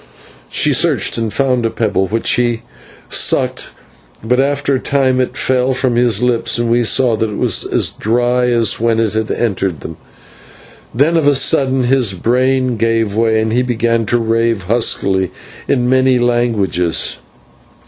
She searched and found a pebble which he sucked, but after a time it fell from his lips, and we saw that it was as dry as when it entered them. Then of a sudden his brain gave way, and he began to rave huskily in many languages.